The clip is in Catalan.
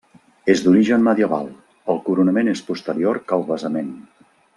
És d'origen medieval, el coronament és posterior que el basament.